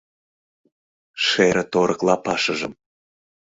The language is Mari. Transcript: Шере торык лапашыжым